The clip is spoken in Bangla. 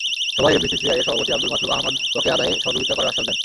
সভায় এফবিসিসিআইয়ের সভাপতি আবদুল মাতলুব আহমাদ বকেয়া আদায়ে সহযোগিতা করার আশ্বাস দেন।